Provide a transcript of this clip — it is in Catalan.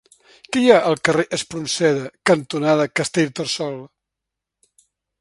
Què hi ha al carrer Espronceda cantonada Castellterçol?